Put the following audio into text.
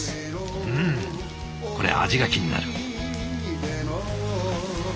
うんこれ味が気になる。